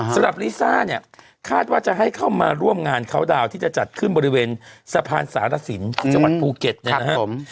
ลิซ่าเนี่ยคาดว่าจะให้เข้ามาร่วมงานเขาดาวน์ที่จะจัดขึ้นบริเวณสะพานสารสินที่จังหวัดภูเก็ตนะครับ